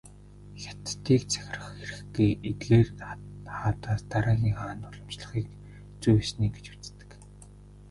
Хятадыг захирах эрх эдгээр хаадаас дараагийн хаанд уламжлахыг "зүй ёсны" гэж үздэг.